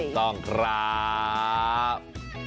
ถูกต้องครับ